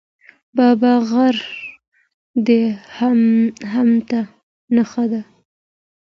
بابا غر د همت نښه ده.